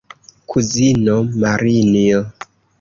Kuzino Marinjo!